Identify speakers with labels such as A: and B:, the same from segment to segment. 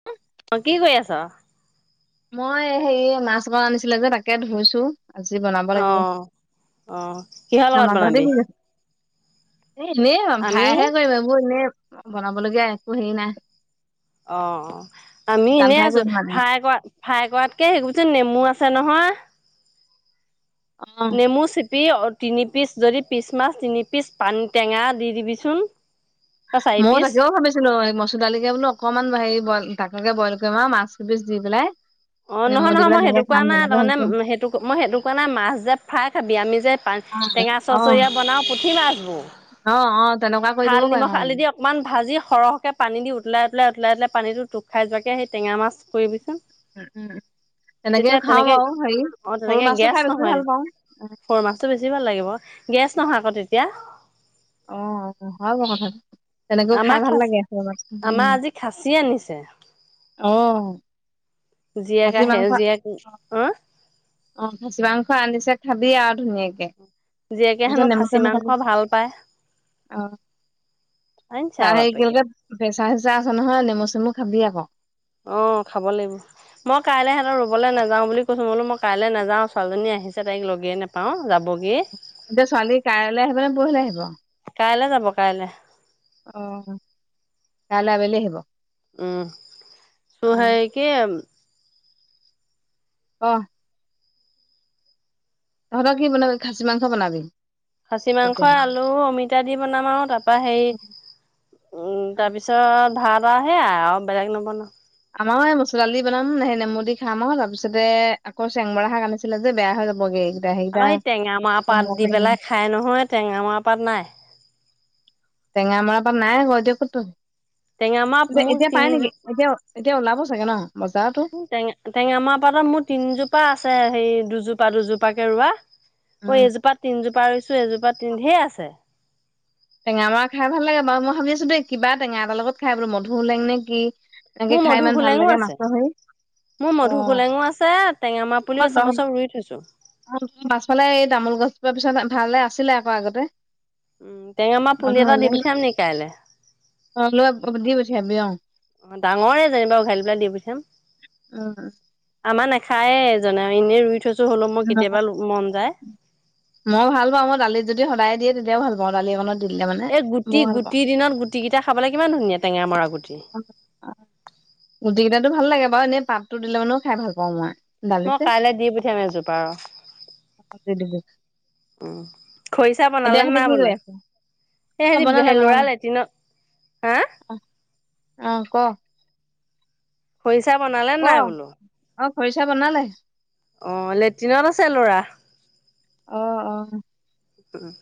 A: [unintelligible]
B: অ কি কৰি আছ?
A: মই হে মাছ অকন আনিছিলে যে, তাকে ধুইছো। আজি বনাব
B: অ
A: লাগিব,
B: অ কিহৰ লগত
A: খানা তহতে
B: বনাবি?
A: কি কইছ এ এনেই
B: আমি
A: ভাইহে কৰিম, এইবোৰ এনেই বনাবলগীয়া একো হেৰি নাই।
B: অ অ আমি
A: শুকান
B: এনেই
A: ফ্ৰাই
B: আছো,
A: কৰিম মানে
B: ফ্ৰাই কৰা ফ্ৰাই কৰাতকে, সেকবচোন নেমু আছে নহয়।
A: অ।
B: নেমু চেপি তিনি পিচ, যদি পিচ মাছ তিনি পিচ পানী টেঙা দি দিবিচোন। অ চাৰি
A: ময়ো
B: পিচ
A: তাকে ভাবিছ মচুৰ দালিকে বোলো অকনমান হেৰি বইল তাককে বইল কৰিম আৰু মাছ এপিচ দি পেলাই।
B: অ
A: নেমু
B: নহয়
A: দি
B: নহয়
A: পেলাই
B: মই
A: তেনেকে
B: সেইটো কোৱা
A: খাম
B: নাই,
A: তেনেকে
B: তাৰমানে
A: হৈছে
B: সেইটো মই সেইটো কোৱা নাই মাছ যে ফাই খাবি। আমি যে
A: অ
B: টেঙা
A: অ
B: চৰচৰীয়া বনাওঁ পুঠি মাছবোৰ,
A: অ অ তেনেকুৱা কৰি দিব পাৰে অ।
B: অকমান ভাজি সৰহকে পানী দি উলাই-উতলাই, উতলাই, উতলাই পানীটো টোক খাই যোৱাকে সেই টেঙা মাছ কৰিবিচোন।
A: উম তেনেকেও
B: তেতিয়া
A: খাওঁ
B: তেনেকে
A: বাৰু হেৰি
B: অ
A: সৰু
B: তেনেকে
A: মাছটো
B: গেছ
A: খাই বেছি ভাল
B: নহয়।
A: পাওঁ
B: সৰু মাছটো বেছি ভাল লাগিব। গেছ নহয় আক তেতিয়া।
A: অ হয় বা কথাটো। তেনেকেও খাই
B: আমাৰ
A: ভাল
B: খাচ
A: লাগে,
B: আমাৰ
A: উম।
B: আজি খাচী আনিছে
A: অঁ।
B: জীয়েক আহে, জীয়েক
A: অ
B: হ
A: অ খাছী মাংস আনদিছে খাবি আৰু ধুনীয়াকে।
B: জীয়েকে
A: তাৰপিছত
B: হেনো
A: নেমু
B: খাচী
A: চেমু
B: মাংস
A: খাবি
B: ভাল পায়,
A: অ
B: আনিছে আৰু বাপেকে।
A: পেচা-চেচা আছে নহয়, নেমু-চেমু খাবি আক।
B: অঁ খাব লাগিব। মই কাইলৈ সিহঁত ৰুবলৈ নাযাওঁ বুলি কৈছো বোলো, মই কাইলৈ নাযাওঁ ছোৱালজনী আহিছে তাইক লগে নেপ পাওঁ যাবগে।
A: এতিয়া ছোৱালী কাইলৈ আহিব নে, পৰহিলে আহিব?
B: কাইলে যাব কাইলে।
A: অ কাইলৈ আবেলি আহিব।
B: উম, চু হেই কি
A: অহ। তহত কি বনাবি, খাছী মাংস বনাবি?
B: খাচী মাংস,
A: তেতিয়াহ'লে
B: আলু, অমিতা দি বনাম আৰু তাৰপা হেৰি উম তাৰ পিছত ভাত আৰু সেয়াই আও, আৰু বেলেগ নবনাও।
A: আমাৰো সেই মচুৰ দালি বনাম, সেই নেমু দি খাম আৰু তাৰপিছতে আকৌ চেংমৰা শাক আনিছিলে যে বেয়া হৈ যাবগে। এইকেইটা
B: আকৌ সেই টেঙা মৰা পাত দি
A: সেইকেইটা
B: পেলাই খাই নহয়, টেঙা মৰা পাত নাই?
A: টেঙা মৰা পাত নাই আকৌ এতিয়া ক'ত
B: টেঙামৰা
A: পাবি,
B: মোক
A: এতিয়া পাই নেকি
B: তিনিজোপা
A: এতিয়া? এতিয়া ওলাব চাগে ন? বজাৰতো
B: টেঙা টেঙামৰা পাতত মোৰ তিনজোপা আছে সেই দুজোপা-দুজোপা কে ৰোৱা। অ,
A: উম
B: এইজোপা তিনজোপা ৰুইছোঁ এজোপা তিনি ঢেৰ আছে।
A: টেঙা মৰা খাই ভাল লাগে বাওঁ ম‌ই ভাবি আছোঁ ডেই কিবা টেঙা এটা লগত খাই বোলো মধুধুলেং নে কি? এনেকে
B: মোৰ
A: খাই ইমান ভাল
B: মধুসোলেঙো
A: লাগে
B: আছে।
A: মাছৰ হেৰি
B: মোৰ
A: অ
B: মধুসোলেঙো আছে, টেঙামৰা
A: অ
B: পুলিও আছে, মই চব ৰুই থৈছো।
A: পাছফালে এই তামোল গছজোপা পিছত ভালে আছিলে আক আগতে।
B: টেঙামৰা
A: মধু
B: পুলি এটা দি
A: হোলেং
B: পঠিয়াম নি কাইলে?
A: [unintelligible]
B: ডাঙৰে যেনিবা [unintelligible]
A: উম
B: আমাৰ নাখায় এইজনে এনেই ৰুই থৈছোঁ হলৌ মই কেতিয়াবা ৰু মন যায়।
A: মই ভাল পাওঁ মই দালিত যদি সদায় দিয়ে তেতিয়াও ভাল পাওঁ দালি একনত দি দিলে মানে মই ভাল পাওঁ।
B: গগুটিকিতা খাবলৈ কিমান ধুনীয়া টেঙামৰা গুটি।
A: গুটি কেইটা টো ভাল লাগে বাৰু এনেই পাতটো দিলে মানেও খাই ভাল পাওঁ মই।
B: মই
A: দালিতে
B: কাইলৈ দি পঠিয়াম এজোপা ৰহ।
A: দি দিবি
B: উম, খৰিছা
A: এতিয়া
B: বনালে নে
A: সিহঁতি কি
B: নাই
A: কৰি
B: বনোৱা?
A: আছে
B: হে
A: অ বনালে
B: সেতি
A: বনালে
B: লৰা লেটিনত, হা?
A: উম, ক?
B: খৰিচা বনালে
A: ক
B: নাই বোলোঁ?
A: অ', খৰিচা বনালে।
B: অ', লেট্ৰিনত আছে ল'ৰা।
A: অ', অ'।
B: উম।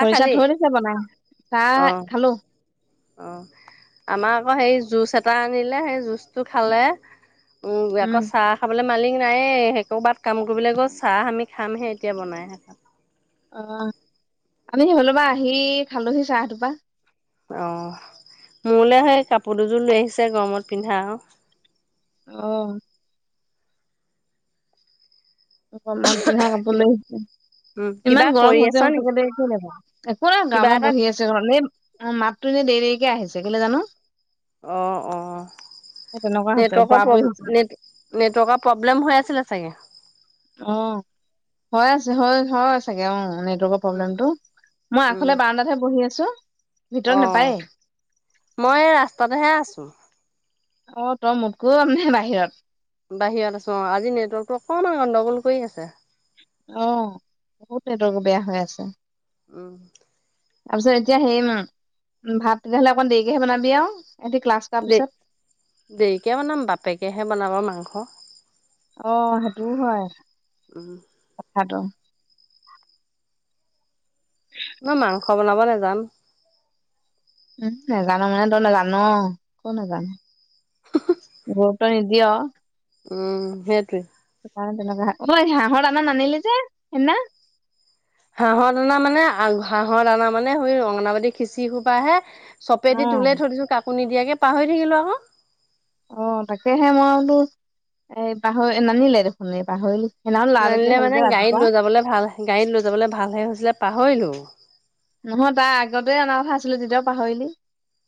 A: খৰিচা থৈ দিছে বনাই,
B: অ
A: চাহ খালোঁ।
B: অ', আমাৰ আকৌ সেই জুচ এটা আনিলে, সেই জুচটো খালে। উম,
A: অ
B: আকৌ চাহ খাবলৈ মালিক নায়য়েই সেই ক'ৰবাত কাম কৰিবলৈ গ'ল চাহ আমি খামহে এতিয়া বনাইঁ।
A: অ', আমি সেইফালপা আহি খালোহি চাহ তুপা।
B: অ', মোলৈ সেই কাপোৰ দুযোৰ লৈ আহিছে গৰমত পিন্ধা আৰু।
A: অ'। অকণমান পিন্ধা কাপোৰ
B: কিবা
A: লৈ আহিছো [inaudible]
B: উম কিবা
A: ইমান
B: কৰি
A: গৰম
B: আছ
A: হৈছে
B: নি
A: সচাকে দেই [unintelligible] একো নাই
B: কিবা
A: ঘামত
B: এটা
A: বহি আছোঁ। [unintelligible] অ, মাততো এনে দেৰি দেৰিকে আহিছে কেলৈ জানো।
B: অ',
A: সেই
B: অ',
A: তেনেকুৱা হৈছে ওপৰা
B: নেটৱৰ্কৰ
A: ওপৰি হৈছে
B: প্ৰব্লে নেট নেটৱৰ্কৰ প্ৰব্লেম হৈ আছিলে চাগৈ।
A: অ', হৈ আছে হয়, হয় চাগে অ', এনে নেটৱৰ্কৰ
B: উম
A: প্ৰব্লেমটো, মই
B: উম
A: আগফালে বাৰান্দাত হে বহি আছোঁ।
B: অ', মই ৰাস্তাতহে আছোঁ।
A: অ', তই মোতকৌ [unintelligible] বাহিৰত।
B: বাহিৰত আছোঁ অ', আজি নেটৱৰ্কতটো অকণমান গন্দগোল কৰি আছে।
A: অ', বহুত নেটৱৰ্ক বেয়া হৈ আছে।
B: উম।
A: তাৰপিছত এতিয়া হেৰি উম, ভাত তেতিয়াহ'লে অকন দেৰিকেহে বনাবি আৰু? ইহঁতি ক্লাছ কৰাৰ
B: দে
A: পিছত।
B: দেৰিকে বনাম, বাপেকেহে বনাব মাংস।
A: অ', সেইটোও হয়
B: উম
A: কথাটো।
B: খ বনাব নাযাম।
A: উম, নেজানো মানে তই নেজান ক নেজানো [unintelligible] তই নিদিয়।
B: উম, সেইটোৱে।
A: স কাৰণে তেনেকুৱা। অ, হাঁহৰ দানা নানিলি যে সেইদিনা?
B: হাঁহৰ দানা মানে হাঁহৰ দানা মানে সৈ অংগনাবাদী খিচি সোপা হে। চপেদি দি
A: অ',
B: তোলেই থৈ দিছো কাকো নিদিয়াকে পাহৰি থাকিলো আক।
A: অ তাকেহে মই তো এ পাহৰি নানিলে দেখোন এই পাহৈলি।
B: নানিলে মানে গাড়ীত লৈ যাবলৈ ভাল গাড়ীত লৈ যাবলৈ ভাল হে হৈছিলে পাহৰিলো।
A: নহয় তাৰ আগতে অনা কথা আছিলে তেতিয়াও পাহৰিলি।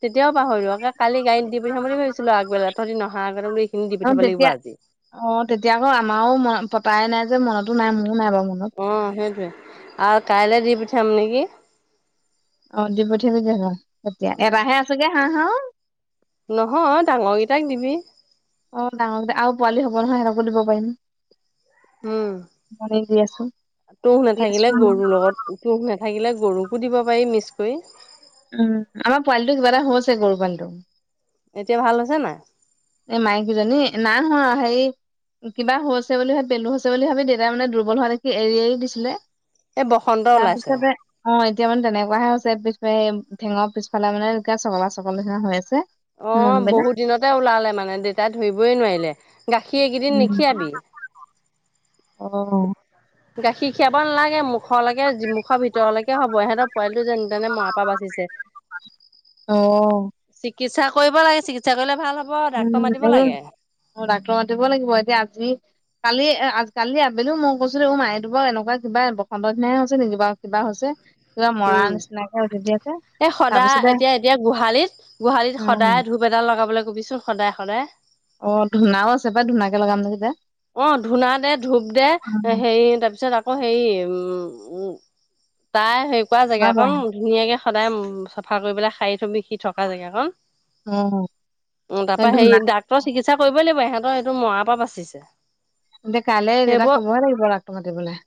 B: তেতিয়াও পাহৰিলোঁ আক কালি গড়িত দি পঠাম বুলি ভাবিছিলোঁ আগবেল তথহ নহা আগতে বোলোঁ এইখিনি দি
A: অ',
B: পঠাব লাগিব
A: তেতিয়া
B: আজি।
A: অ, তেতিয়া আকৌ আমাৰো মন পতাই নাই যে মনতো নাই মোৰো নাই বাৰু মনত।
B: অ', সেইটোৱে আৰু কাইলৈ দি পঠিয়াম নেকি?
A: অ দি পঠিয়াব যে হ তেতিয়া
B: উম।
A: এটাহে আছেগে হাঁহ আও।
B: নহয় ডাঙৰকেইটাক দিবি।
A: অ ডাঙৰকেইটা আও পোৱালি হ'ব নহয় সেতকো দিব পাৰিম। মই দি আছো। দি আছো আও।
B: তুহ নাথাকিলে গৰুকো দিব পাৰি মিক্স কৰি।
A: উম আমাৰ পোৱালিটো কিবা এটা হৈছে গৰু পোৱালিটো।
B: এতিয়া ভাল হৈছে নাই?
A: এই মাইকীজনী নাই হোৱা সেই কিবা হৈছে বুলি পেলু হৈছে বুলি ভাবি দেউতাই মানে দুৰ্বল হোৱা দেখি এৰি এৰি দিছিলে।
B: এই বসন্ত ওলাইছে।
A: তাপিছতহতে অ এতিয়া মানে তেনেকুৱাহে হৈছে পিছপাইম ঠেঙৰ পিছফালে মানে একে চকলা চকলা নিচিনা হৈ আছে।
B: অ
A: নোম বিলাক
B: বহুত দিনতে ওলালে মানে দেউতাই ধৰিবই নোৱাৰিলে গাখীৰ এইকেইদিন নিখিয়াবি।
A: অ।
B: গাখীৰ খীৰাব নালাগে মোক। মুখলকে যি মুখৰ ভিতৰলেকে হব ইহঁতৰ পোৱালিটো যেনে তেনে মৰা পৰা বাচিছে।
A: অ।
B: চিকিৎসা কৰিব লাগে চিকিৎসা কৰিলে ভাল হব-
A: উম
B: ডাক্তৰ
A: এ
B: মাতিব লাগে
A: ডাক্তৰ মাতিব লাগিব এতিয়া আজি কালি আ কালি আবেলিও মই কৈছিলো দেখো মা এটো বাও এনেকুৱা কিবা বসন্ত নিচিনাই হে হৈছে নেকি বাও। কিবা হৈছে। কিবা মৰা
B: উম
A: নিচিনাকে উঠি আছে
B: এই সদায়
A: তাৰপিছতে
B: এতিয়া এতিয়া গোহালিত গোহালিত সদায়
A: উম
B: ধূ- বেদাল লগাবলৈ কবিচোন সদায় সদায়।
A: অ ধুনাও আছে পা ধুনাকে লগাম ধেইতা।
B: অ ধূনা দে ধূপ দে হেৰি তাৰপিছত আক- ক সেই উম উ তাই সেই কৰা জেগা কন ধুনীয়াকে সদায় চাফা কৰি পেলাই হাই থবি সি থকা জেগা কণ। অ তাৰ পৰা হেৰি ডাক্তৰ চিকিৎসা কৰিব লাগিব ইহঁতৰ এইটো মৰাৰ পৰা বাচিছে।
A: এতিয়া কাইলে দেউতাক
B: সেইবোৰ
A: ক'বৈ লাগিব ডাক্তৰ মাতিবলে।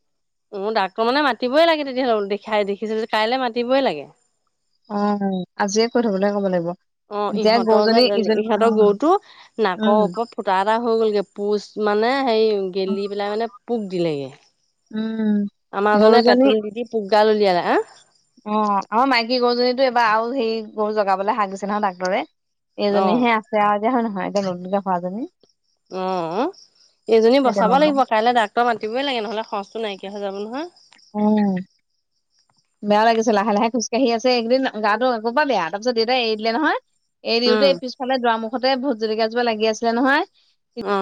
B: উ ডাক্তৰ মানে মাতিবই লাগে তেতিয়া হ'লে দেখাই দেখিছে কাইলে মাতিবই লাগে।
A: অ আজিয়ে কৈ থবলৈ ক'ব লাগিব।
B: অ
A: এতিয়া
B: ইহঁতৰ যে
A: গৰুজনী ইজনী
B: ইহঁতৰ
A: অ',
B: গৰুতো নাকৰ
A: উম
B: ওপৰত ফুটা এটা হৈ গ'লগে পোচ মানে সেই গেলি পেলাই মানে পোক দিলেগে।
A: উম।
B: আমাৰ জনে
A: গৰুজনী
B: পেটুল দিদি পোকদাল উলিয়ালে, আ।
A: অ অ মাইকী গৰুজনীতো এবাৰ আৰু সেই গৰু জগাবলৈ হাক দিছে নহয় ডাক্তৰে
B: অ
A: এইজনী হে আছে আও এতিয়া হয় নহয় এতিয়া নতুনকে হোৱাজনী।
B: অ অ এইজনী
A: সেই
B: বচাব
A: তেনেকুৱা
B: লাগিব কাইলৈ ডাক্তৰক মাতিই লাগে নহ'লে খৰচটো নাইকিয়া হৈ যাব নহয়।
A: উম। বেয়া লাগিছে লাহে লাহে খোজকাঢ়ি আছে একদিন গাটো আগ পা বেয়া তাপিছত দেউতাই এৰি দিলে নহয়। এই দিওঁতে
B: উম
A: এই পিছফালে দুৱাৰমুখতে ভোট জলকিয়া জোপা লাগি আছিলে নহয়।
B: অ।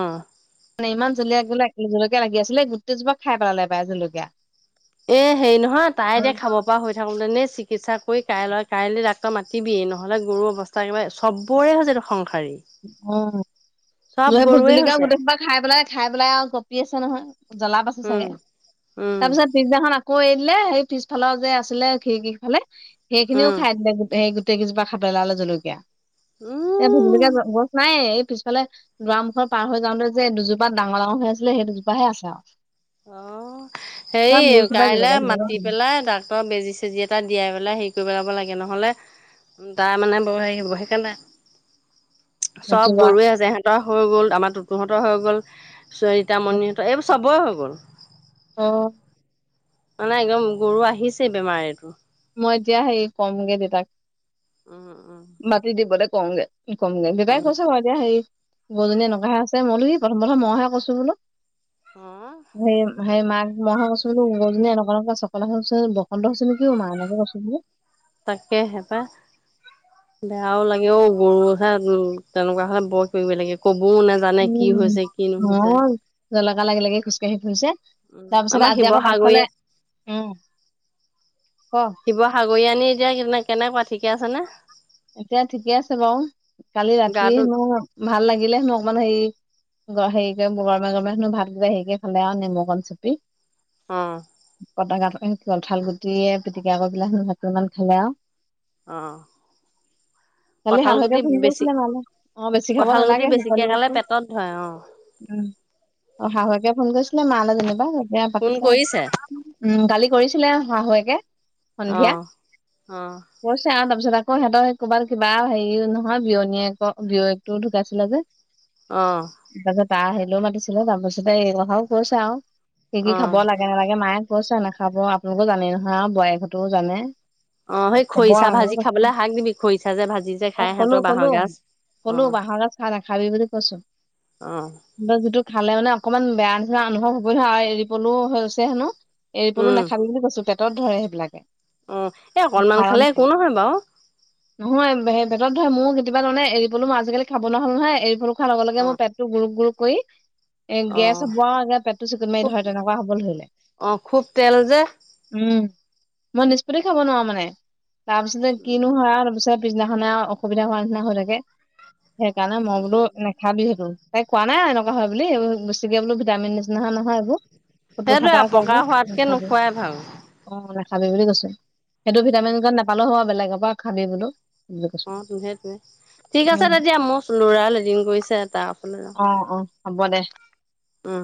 A: মানে ইমান জলকীয়া গলে জলকীয়া লাগি আছিলে গোটেইজোপা খাই পেলালে পাই জলকীয়া।
B: এ হেৰি নহয় তাই এতিয়া খাব হৈ থাকোঁতে নে চিকিৎসা কৰি কাইলৈ কাইলৈ ডাক্তৰ মাতিবিয়ে নহ'লে গৰুৰ অৱস সচাকেবাই চবৰে হৈছে এইটো সংসাৰী
A: উম
B: চব গৰুৱে
A: ভূটজলিকাও
B: হৈছে
A: গোটেই হোপা খাই পেলাই খাই পেলাই আৰু গঁপি আছে নহয় জ্বলা পাছে চাগে
B: উম উম
A: তাপিছত পিছদিনাখন আকৌ এৰি দিলে সেই পিছফালৰ যে আছিলে খিৰিকি ফালে সেই খিনিও
B: উম
A: খাই দিলে সেই গোটেই গোট- তেই কেজোপা খাই পেলালে জলকীয়া।
B: উম।
A: এ ভুজলকীয়া গছ গছ নাইয়ে এই পিছফালে দুৱা মুখত পাৰ হৈ যাওঁতে যে দুজোপাত ডাঙৰ ডাঙৰ হৈ আছিলে সেই দুজোপাহে আছে আও
B: অ হেৰি
A: চুপাই
B: কাইলে
A: জলকীয়া চলকীয়া
B: মাতি
A: খালে
B: পেলাই ডাক বেজি চেজি এটা দিয়াই পেলাই হেৰি কৰি পেলাব লাগে নহ'লে দা মানে বৰ হেৰি হ'ব সেইকাণে চব
A: ভতিজা
B: গৰুৱে এহেতৰ হৈ গ'ল আমাৰ টোতুহঁতৰ হৈ গল চৰিতামণিহঁত এইবোৰ চব বয় হৈ গ'ল
A: অ
B: মানে একদম গৰু আহিছে বেমাৰ এইটো
A: মই এতিয়া হেৰি কমগে দেতাক
B: উম, উম,
A: মতি দিবলৈ কওগে কমগে দেতাই
B: অ',
A: কৈছ ক এতিয়া সেই গৰুজনী এনেকুৱা হে আছে মই বোলো ই প্ৰথম প্ৰথম মইহে কৈছো বোলো
B: হ
A: সেই সেই মাঘ মইহে কৈছোঁ গৰুজনি এনেকুৱা এনেকুৱা চকলা বসন্ত হৈছে নেকি মা এনেকে কৈছোহি
B: তাকে হেপা বেয়াও লাগে অঔ গৰুহে তেনেকুৱা হলে বৰ কিবা লাগে কবও নে জানে কি
A: উম,
B: হৈছে কি নহৈছে
A: অ', জলকা লাগি লাগি খোজকাঢ়ি ফুৰিছে
B: উম,
A: তাৰপিছত
B: আমাৰ
A: আজি আকৌ পাছফালে
B: শিৱসাগৰীয়া
A: উম ক
B: শিৱসাগৰীয়ানি এতিয়া কেনে কেনেকুৱা ঠিকে আছেনে
A: এতিয়া ঠিকে আছে বাৰু কালি ৰাতি
B: গাটো
A: হেনো ভাল লাগিলে হেনো অকমান সেই গ হেৰি কৰি গৰমে গৰমে হেনো ভাতকেইটা হেৰিকে খালে আৰু নেমু অকণ ছেপি
B: অ
A: কতা কঠা এখিনি কি হ'ল কঠাল গুটি পিটিকা কৰিপেলাই ভাতকেটামান খালে আও
B: অ
A: কালি
B: কঁঠাল
A: শাহুৱেকে
B: গুটি
A: ফোন
B: বেছি
A: কৰিছিলে নহ'লে অ বেছি খাব
B: কঁঠাল গুটি
A: নালাগে
B: বেছিকে খালে
A: হেনো
B: পেটত ধৰে অ
A: [unintelligible] উ অ শাহুকে ফোন কৰিছিলে মালে যেনিবা বেয়া
B: ফোন
A: পাতিছা
B: কৰিছে
A: উম কালি কৰিছিলে শাহুুৱেকে
B: অ
A: সন্ধিয়া
B: অ
A: কৰিছে আও তাৰপিছত আকৌ হেতৰ ক'বাত কিবা হেৰি নহয় বিয়নীয়ে বিয়কটো ঢুকাইছিলে যে
B: অ
A: তাৰপিছত তাৰ হায়িলেও মাতিছিলে তাৰপিছতে এই কথাও কৈছে আৰু কি
B: অ
A: কি খাব লাগ গে নেলাগে মায়ে কৈছে নাখাব আপোনালোকো জানে নহয় আৰু বোৱাইক হতৌ জানে
B: অ সেই
A: ক'ব
B: খৰিচা
A: আৰু
B: ভাজি
A: কৈছে
B: খাবলৈ শাক দিবি খৰিচা যে ভাজি যে
A: অ
B: খাই
A: কলো
B: সিহঁতৰ
A: কলো
B: বাঁহৰ গাজ অ
A: কলো বাহৰ গাছ খাহ নাখাবি বুলি কৈছো
B: অ
A: ত যিটো খালে মানে অকণমান বেয়া নিচৰা অনুভৱ হ'ব নহয় আও এৰি পলুও হৈছে হেনো এৰি পলো
B: উম
A: নাখাবি বুলি কৈছো পেটত ধৰে সেইবিলাকে
B: উম এই অকনমান খালে একো নহয় বাওঁ
A: নহয়েই পেটত ধৰে মোৰো কেতিয়াবা তাৰমানে এৰি পলু মই আজিকালি খাব নোৱাৰা হলো নহয় এৰি পলো খোৱাৰ লগে
B: অ
A: মোৰ পেট টো গুৰুক গুৰুক কৈ এ
B: অ
A: গেছ হব আও পেটটো চিকুত মাৰি
B: খুব
A: ধৰে তেনেকুৱা হবলে ধৰিলে
B: অ খুব তেল যে
A: উম মই নিষ্পত্তি খাব নোৱাৰো মানে তাৰ পিছতে কিনো
B: উম
A: হয় তাৰপিছত পিছদিনাখনে অসুবিধা হোৱা নিচিনা হৈ থাকে সেইকাৰণে মই বোলো নে নেখাবি সেইটো তাইক কোৱা নাই এনেকুৱা হয় বুলি এইবোৰ বেছিকে বোল ভিটামিন নিচিনা নহয় এইবোৰ। ফুতৰ
B: সেইটোৱে
A: ফাটাৰ কৰিব
B: পকা হোৱাতকে
A: নাখাবি।
B: নোখোৱাই ভাল
A: অ নাখাবি বুলি কৈছো সেইটো ভিটামিন জগ নাপালেও হ'ব বেলেগৰ পৰা খাবি বোলো। বুলি কৈছো
B: অ, সেইটোৱে সেইটোৱে ঠিক আছে
A: উম
B: তেতিয়া মোৰ লৰা লেটিং কৰিছে তাৰ ওচলে যাও।
A: অহ অহ হ'ব দে
B: উম